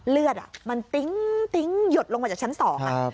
เลือดอ่ะมันติ๊งติ๊งหยดลงมาจากชั้นสองอ่ะครับ